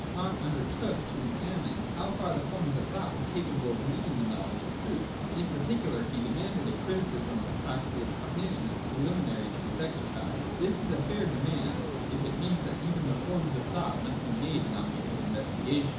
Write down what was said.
Kant undertook to examine how far the forms of thought were capable of leading to the knowledge of truth. In particular he demanded a criticism of the faculty of cogni tion as preliminary to its exercise. That is a fair demand, if it mean that even the forms of thought must be made an object of investigation.